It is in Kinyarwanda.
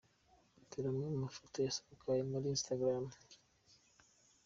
Dore amwe mu mafoto yasakajwe kuri Instagram.